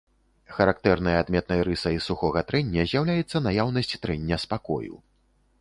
Характэрнай адметнай рысай сухога трэння з'яўляецца наяўнасць трэння спакою.